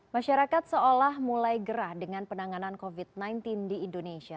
masyarakat seolah mulai gerah dengan penanganan covid sembilan belas di indonesia